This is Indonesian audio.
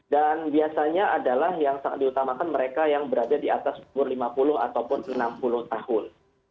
dan biasanya adalah yang sangat diutamakan mereka yang berada di atas umur lima puluh ataupun enam puluh tahun